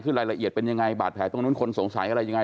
คือรายละเอียดเป็นยังไงบาดแผลตรงนู้นคนสงสัยอะไรยังไง